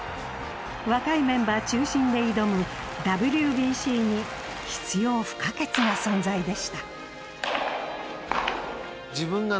若いメンバー中心で挑むＷＢＣに必要不可欠な存在でした。